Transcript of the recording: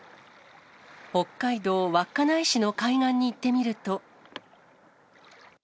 北海道稚内市の海岸に行ってみると。